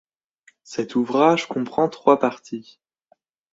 Cet ouvrage comprend trois parties.